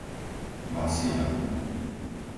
Vasiľov